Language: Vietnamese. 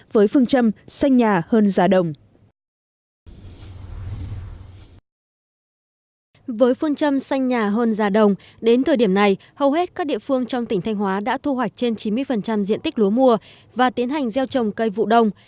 với phương châm xanh nhà hơn già đồng đến thời điểm này hầu hết các địa phương trong tỉnh thanh hóa đã thu hoạch trên chín mươi diện tích lúa mùa và tiến hành gieo trồng cây vụ đông